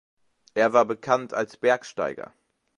Er war bekannt als Bergsteiger.